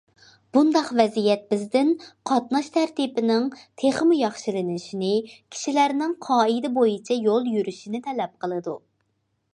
بۇنداق ۋەزىيەت بىزدىن قاتناش تەرتىپىنىڭ تېخىمۇ ياخشىلىنىشىنى، كىشىلەرنىڭ قائىدە بويىچە يول يۈرۈشىنى تەلەپ قىلىدۇ.